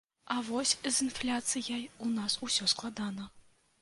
А вось з інфляцыяй у нас усё складана.